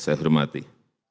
bapak ibu dunia sekarang ini